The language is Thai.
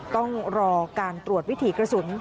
ต้องรอการตรวจวิถีกระสุน